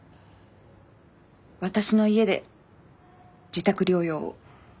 私の家で自宅療養を。